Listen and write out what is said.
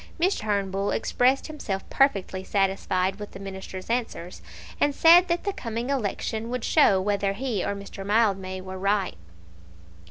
Mr. Turnbull expressed himself perfectly satisfied with the Minister's answers, and said that the coming election would show whether he or Mr. Mildmay were right.